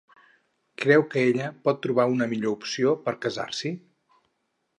Creu que ella pot trobar una millor opció per casar-s'hi?